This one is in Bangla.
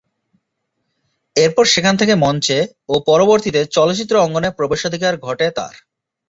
এরপর সেখান থেকে মঞ্চে ও পরবর্তীতে চলচ্চিত্র অঙ্গনে প্রবেশাধিকার ঘটে তার।